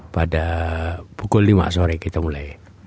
pada pukul lima sore kita mulai